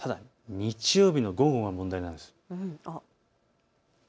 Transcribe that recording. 日曜日の午後が問題なんです。